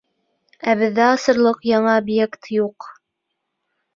Ә беҙҙә асырлыҡ яңы объект юҡ!